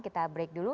kita break dulu